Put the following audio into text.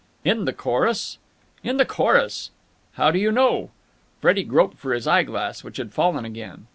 "In the chorus?" "In the chorus!" "How do you know?" Freddie groped for his eyeglass, which had fallen again.